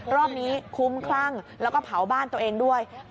รอบนี้คุ้มคลั่งแล้วก็เผาบ้านตัวเองด้วย